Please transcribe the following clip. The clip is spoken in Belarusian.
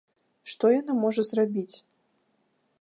Што яна можа зрабіць?